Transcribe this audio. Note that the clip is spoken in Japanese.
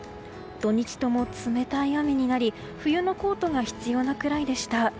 土日とも冷たい雨になり冬のコートが必要なくらいでした。